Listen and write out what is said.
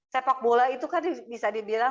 sepak bola itu kan bisa dibilang